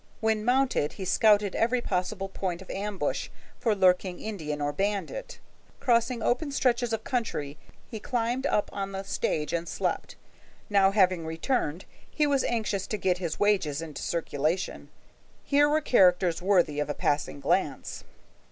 When mounted, he scouted every possible point of ambush for lurking Indian or bandit. Crossing open stretches of country, he climbed up on the stage and slept. Now having returned, he was anxious to get his wages into circulation. Here were characters worthy of a passing glance.